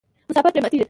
مسافر پرې ماتیږي.